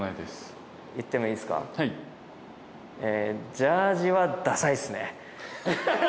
ジャージはダサいっすね。